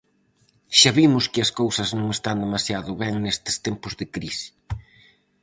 Xa vimos que as cousas non están demasiado ben nestes tempos de crise.